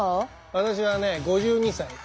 私はね５２歳だ。